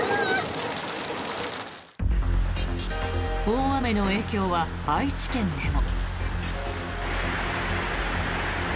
大雨の影響は愛知県でも。